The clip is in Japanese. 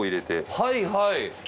はいはい！